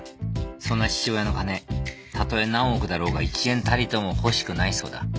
そんな父親の金たとえ何億だろうが１円たりとも欲しくないそうだ。